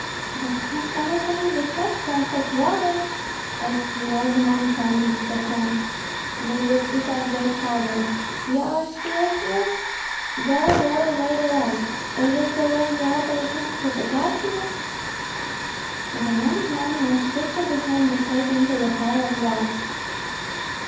"But can anything be kept from such robbers!" asked the old man, pointing to the sons. "They would eat up their father. Ye are still here? Go roll away the logs. Is this the way ye obey him who begat you?" The young men went quickly behind the cabin to the pile of logs.